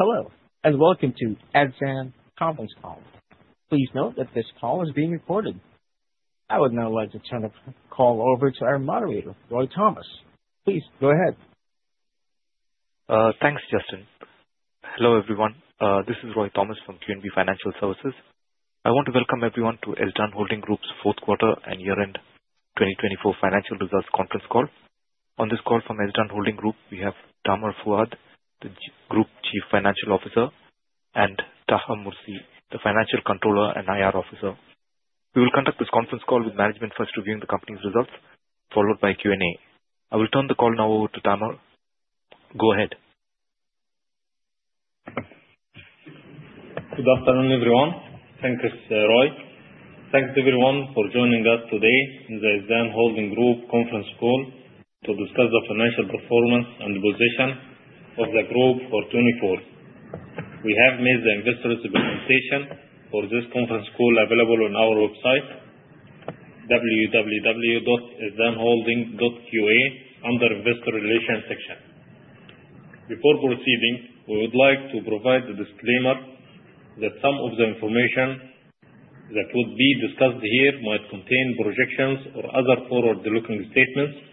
Hello, and welcome to Ezdan conference call. Please note that this call is being recorded. I would now like to turn the call over to our moderator, Roy Thomas. Please go ahead. Thanks, Justin. Hello, everyone. This is Roy Thomas from QNB Financial Services. I want to welcome everyone to Ezdan Holding Group's Q4 and year-end 2024 financial results conference call. On this call from Ezdan Holding Group, we have Tamer Fouad, the Group Chief Financial Officer, and Taha Moursy, the Financial Controller and IR Officer. We will conduct this conference call with management first reviewing the company's results, followed by Q&A. I will turn the call now over to Tamer. Go ahead. Good afternoon, everyone. Thank you, Roy. Thanks, everyone, for joining us today in the Ezdan Holding Group conference call to discuss the financial performance and the position of the group for 2024. We have made the investor's documentation for this conference call available on our website, www.ezdanholding.qa, under Investor Relations section. Before proceeding, we would like to provide a disclaimer that some of the information that would be discussed here might contain projections or other forward-looking statements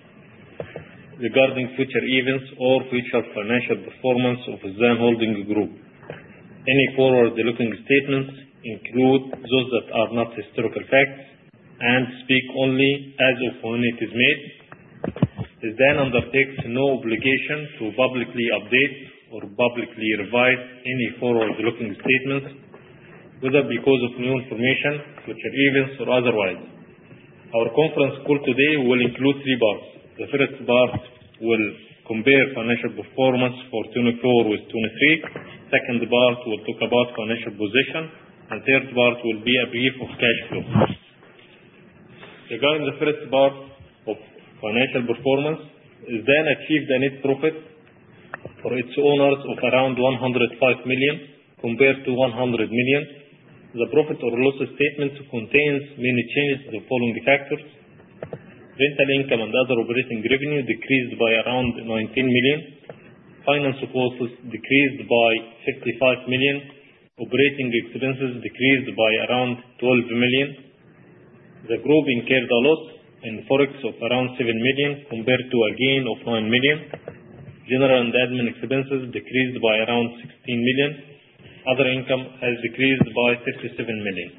regarding future events or future financial performance of Ezdan Holding Group. Any forward-looking statements include those that are not historical facts and speak only as of when it is made. Ezdan undertakes no obligation to publicly update or publicly revise any forward-looking statements, whether because of new information, future events, or otherwise. Our conference call today will include three parts. The first part will compare financial performance for 2024 with 2023. The second part will talk about financial position. The third part will be a brief of cash flow. Regarding the first part of financial performance, Ezdan achieved a net profit for its owners of around 105 million compared to 100 million. The profit or loss statement contains many changes to the following factors: rental income and other operating revenue decreased by around 19 million. Finance costs decreased by 55 million. Operating expenses decreased by around 12 million. The group incurred a loss in forex of around 7 million compared to a gain of 9 million. General and admin expenses decreased by around 16 million. Other income has decreased by 37 million.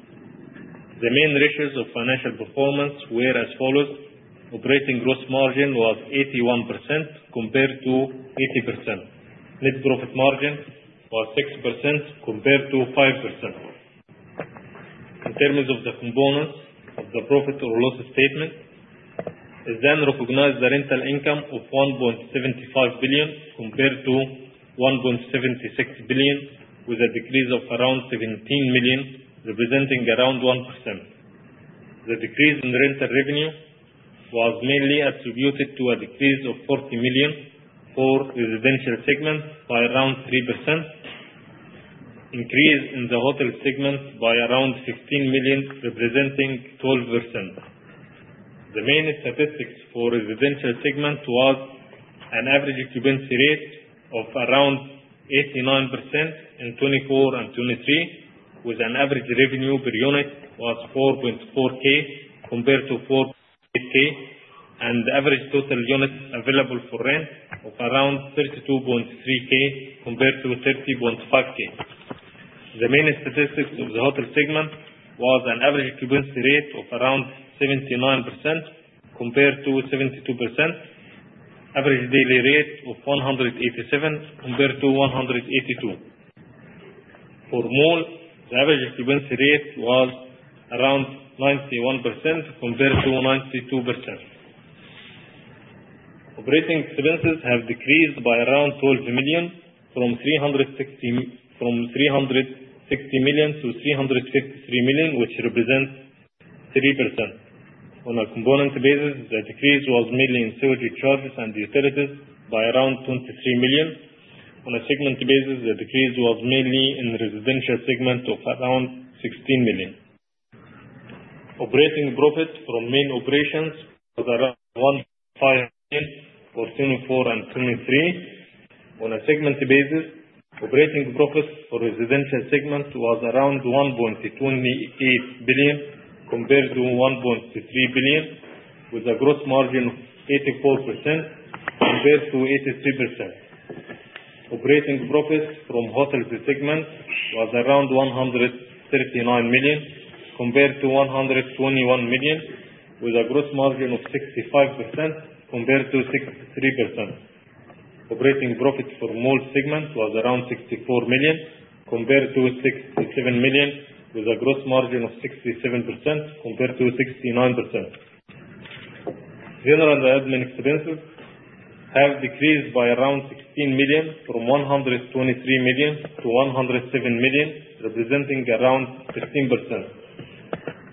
The main ratios of financial performance were as follows: operating gross margin was 81% compared to 80%. Net profit margin was 6% compared to 5%. In terms of the components of the profit or loss statement, EZDAN recognized the rental income of 1.75 billion compared to 1.76 billion, with a decrease of around 17 million, representing around 1%. The decrease in rental revenue was mainly attributed to a decrease of 40 million for residential segment by around 3%. Increase in the hotel segment by around 15 million, representing 12%. The main statistics for residential segment was an average occupancy rate of around 89% in 2024 and 2023, with an average revenue per unit of 4.4K compared to 4.8K, and the average total units available for rent of around 32.3K compared to 30.5K. The main statistics of the hotel segment was an average occupancy rate of around 79% compared to 72%. Average daily rate of 187 compared to 182. For mall, the average occupancy rate was around 91% compared to 92%. Operating expenses have decreased by around 12 million from 360 million to 353 million, which represents 3%. On a component basis, the decrease was mainly in sewage charges and utilities by around 23 million. On a segment basis, the decrease was mainly in residential segment of around 16 million. Operating profit from main operations was around QAR 1.5 billion for 2024 and 2023. On a segment basis, operating profit for residential segment was around 1.28 billion compared to 1.3 billion, with a gross margin of 84% compared to 83%. Operating profit from hotel segment was around 139 million compared to 121 million, with a gross margin of 65% compared to 63%. Operating profit for mall segment was around 64 million compared to 67 million, with a gross margin of 67% compared to 69%. General and admin expenses have decreased by around 16 million from 123 million to 107 million, representing around 15%.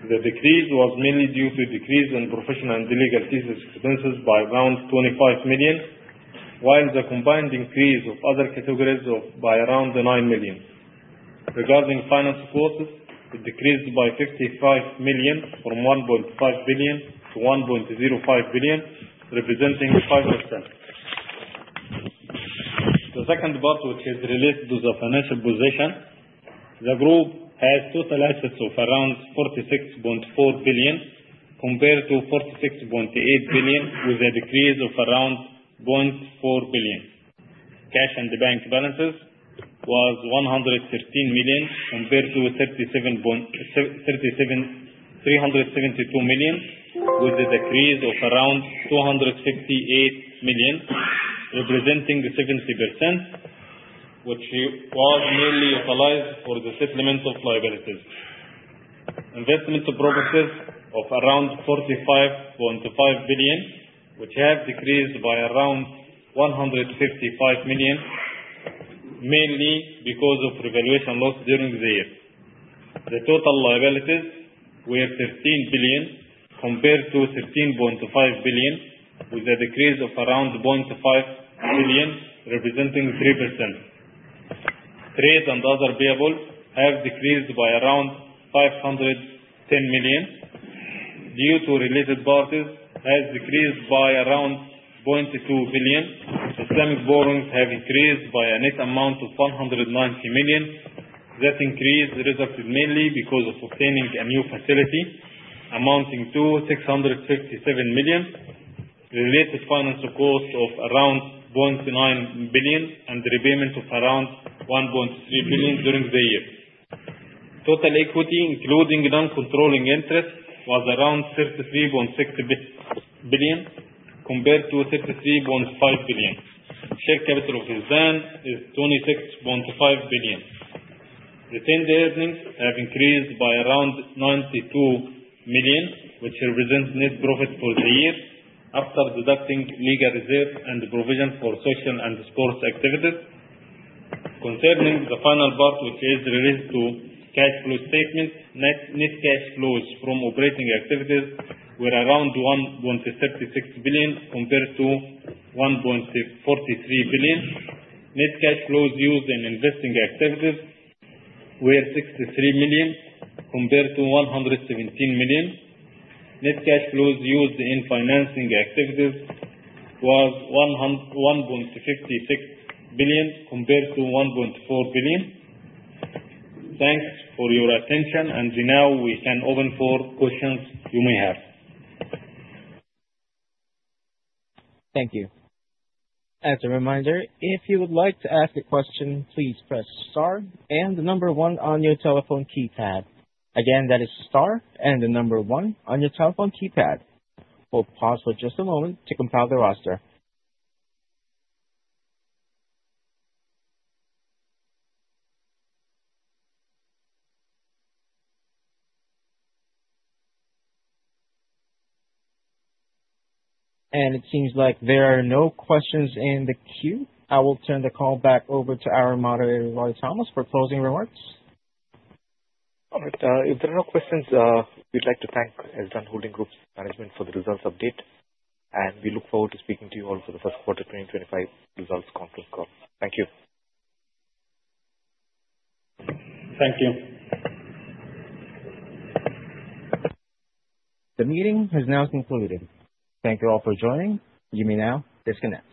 The decrease was mainly due to decrease in professional and legal expenses by around 25 million, while the combined increase of other categories was by around 9 million. Regarding finance costs, it decreased by 55 million from 1.5 billion to 1.05 billion, representing 5%. The second part, which is related to the financial position, the group has total assets of around 46.4 billion compared to 46.8 billion, with a decrease of around 0.4 billion. Cash and bank balances were 113 million compared to 372 million, with a decrease of around 258 million, representing 70%, which was mainly utilized for the settlement of liabilities. Investment properties were around 45.5 billion, which have decreased by around 155 million, mainly because of revaluation loss during the year. The total liabilities were 13 billion compared to 13.5 billion, with a decrease of around 0.5 billion, representing 3%. Trade and other payables have decreased by around 510 million. Amounts due to related parties have decreased by around 0.2 billion. Syndicated borrowings have increased by a net amount of 190 million. That increase resulted mainly because of obtaining a new facility amounting to 657 million. Related finance costs were around 0.9 billion and repayment of around 1.3 billion during the year. Total equity, including non-controlling interest, was around 33.6 billion compared to 33.5 billion. Share capital of EZDAN is 26.5 billion. Retained earnings have increased by around QAR 92 million, which represents net profit for the year after deducting legal reserves and provision for social and sports activities. Concerning the final part, which is related to cash flow statement, net cash flows from operating activities were around 1.36 billion compared to 1.43 billion. Net cash flows used in investing activities were 63 million compared to 117 million. Net cash flows used in financing activities were 1.56 billion compared to 1.4 billion. Thanks for your attention, and now we can open for questions you may have. Thank you. As a reminder, if you would like to ask a question, please press star and the number one on your telephone keypad. Again, that is star and the number one on your telephone keypad. We'll pause for just a moment to compile the roster. And it seems like there are no questions in the queue. I will turn the call back over to our moderator, Roy Thomas, for closing remarks. All right. If there are no questions, we'd like to thank Ezdan Holding Group's management for the results update, and we look forward to speaking to you all for the Q1 2025 results conference call. Thank you. Thank you. The meeting has now concluded. Thank you all for joining. You may now disconnect.